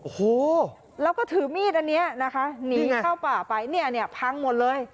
โอ้โหแล้วก็ถือมีดอันนี้นะคะหนีเข้าป่าไปเนี่ยเนี่ยพังหมดเลย